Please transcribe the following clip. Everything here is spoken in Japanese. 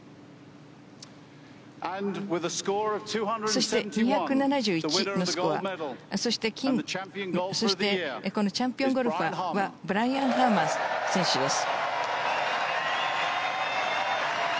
そして、２７１のスコアそしてこのチャンピオンゴルファーはブライアン・ハーマン選手です。